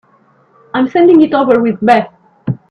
I'm sending it over with Beth.